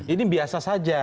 ini biasa saja